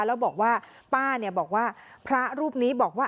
แล้วป้าบอกว่าพระรูปนี้บอกว่า